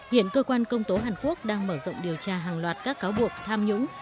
hiện cơ quan công tố hàn quốc đang mở rộng điều tra hàng loạt các cáo buộc tham nhũng